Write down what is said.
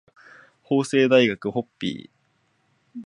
法政大学ホッピー